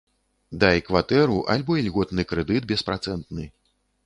Дай кватэру альбо ільготны крэдыт беспрацэнтны.